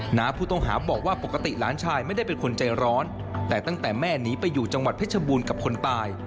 หน้าผู้ต้องหาบอกว่าปกติหลานชายไม่ได้เป็นคนใจร้อนแต่ตั้งแต่แม่หนีไปอยู่จังหวัดเพชรบูรณ์กับคนตาย